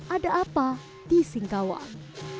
ada apa di singkawang